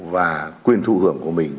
và quyền thù hưởng của mình